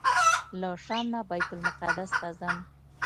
له شام نه بیت المقدس ته ځم.